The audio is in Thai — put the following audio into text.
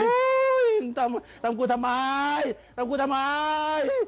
โอ้ยโอ้ยทำกูทำไมทำกูทำไม